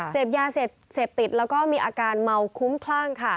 เสพยาเสพติดแล้วก็มีอาการเมาคุ้มคลั่งค่ะ